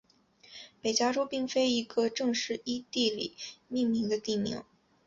北加州并非一个正式依地理命名的地名。